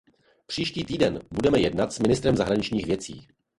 Příští týden budeme jednat s ministrem zahraničních věcí.